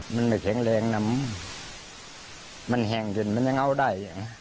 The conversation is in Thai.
มันไม่แข็งแรงนะมันแห้งจนมันยังเอาได้